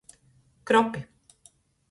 Kropi.